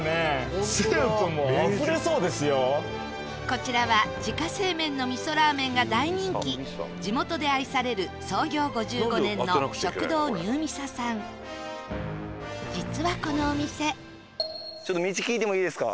こちらは自家製麺のみそラーメンが大人気地元で愛される創業５５年の食堂ニューミサさんあっ。